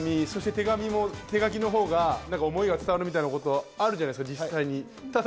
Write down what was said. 手紙も手書きのほうが思いが伝わるみたいなことがあるじゃないですか。